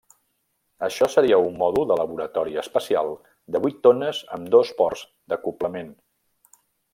Això seria un mòdul de laboratori espacial de vuit tones amb dos ports d'acoblament.